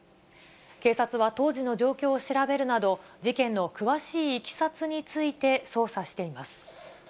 警察は当時の状況を調べるなど、事件の詳しいいきさつについて捜査しています。